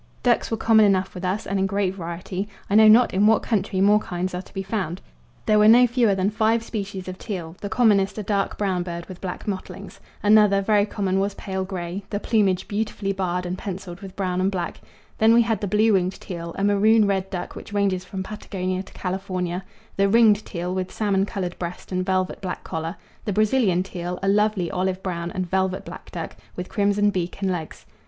Ducks were common enough with us and in great variety; I know not in what country more kinds are to be found. There were no fewer than five species of teal, the commonest a dark brown bird with black mottlings; another, very common, was pale grey, the plumage beautifully barred and pencilled with brown and black; then we had the blue winged teal, a maroon red duck which ranges from Patagonia to California; the ringed teal, with salmon coloured breast and velvet black collar; the Brazilian teal, a lovely olive brown and velvet black duck, with crimson beak and legs.